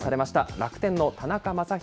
楽天の田中将大